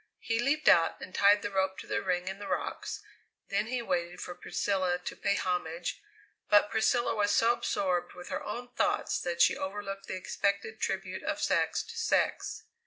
He leaped out and tied the rope to the ring in the rocks, then he waited for Priscilla to pay homage, but Priscilla was so absorbed with her own thoughts that she overlooked the expected tribute of sex to sex.